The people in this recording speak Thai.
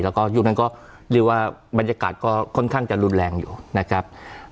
แล้วก็ยุคนั้นก็เรียกว่าบรรยากาศก็ค่อนข้างจะรุนแรงอยู่นะครับ